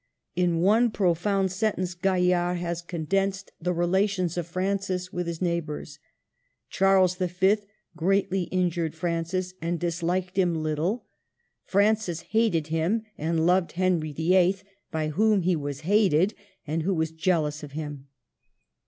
In one pro found sentence Gaillard has condensed the 288 MARGARET OF ANGOUL^ME. relations of Francis with his neighbors :" Charles V. greatly injured Francis and disliked him little ; Francis hated him, and loved Henry VIIL, by whom he was hated, and who was jealous of him."